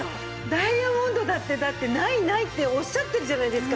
ダイヤモンドだってだって「ないない」っておっしゃってるじゃないですか。